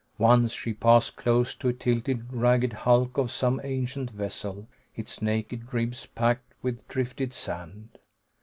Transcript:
Once she passed close to a tilted, ragged hulk of some ancient vessel, its naked ribs packed with drifted sand.